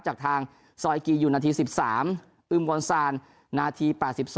จากทางซอยกีอยู่นาที๑๓อุ้มกวนสารนาที๘๒